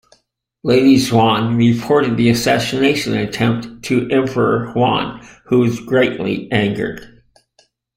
Lady Xuan reported the assassination attempt to Emperor Huan, who was greatly angered.